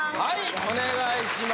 お願いします